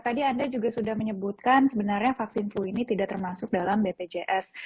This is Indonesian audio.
tadi anda juga sudah menyebutkan sebenarnya vaksin flu ini tidak termasuk dalam bpjs